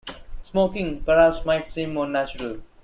Smoking, perhaps, might seem more natural.